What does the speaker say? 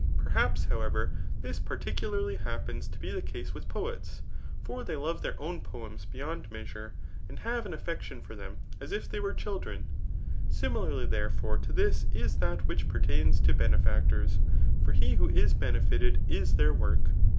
Perhaps, however, this par tkulariy happens to be the case with poets ; for they love their own poems beyond measure, and have an affection for them as if they were children. Similar therefore to this is that which pertains to benefactors^ for he who is benefited is their work.